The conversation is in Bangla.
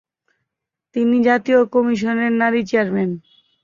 তিনি জাতীয় কমিশনের নারী চেয়ারম্যান।